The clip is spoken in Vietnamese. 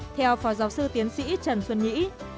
theo phó giáo sư tiến sĩ trần xuân nhĩ